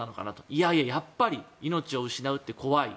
いやいや、やっぱり命を失うって怖い